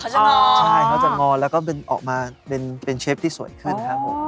เขาจะงอเหรอครับอ๋อใช่ครับเขาจะงอแล้วก็เป็นออกมาเป็นเชฟที่สวยขึ้นครับ